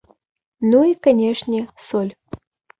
Ну, і, канешне, соль.